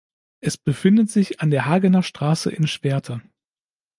Es befindet sich an der Hagener Straße in Schwerte.